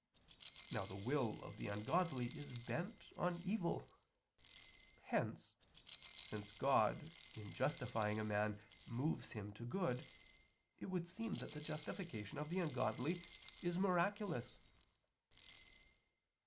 Now the will of the ungodly is bent on evil. Hence, since God in justifying a man moves him to good, it would seem that the justification of the ungodly is miraculous.